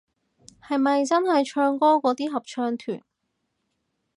係咪真係唱歌嗰啲合唱團